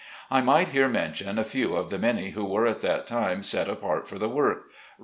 I might here mention a few of the many who were at that time set apart for the work. Rev.